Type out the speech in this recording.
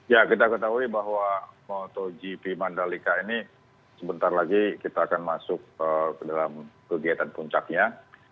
ya kita ketahui bahwa motogp mandalika ini sebentar lagi kita akan masuk ke dalam kegiatan puncaknya